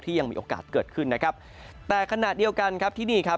ที่ยังมีโอกาสเกิดขึ้นแต่ขนาดเดียวกันที่นี่